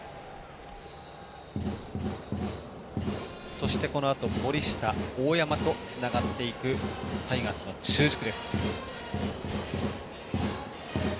そして、このあと森下、大山とつながっていくタイガースの中軸。